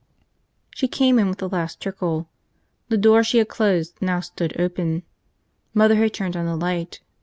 She came in with the last trickle. The door she had closed now stood open. Mother had turned on the light.